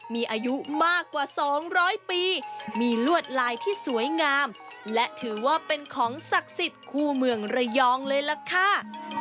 มีอายุมากกว่า๒๐๐ปีมีลวดลายที่สวยงามและถือว่าเป็นของศักดิ์สิทธิ์คู่เมืองระยองเลยล่ะค่ะ